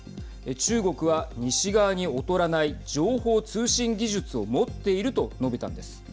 中国は西側に劣らない情報通信技術を持っていると述べたんです。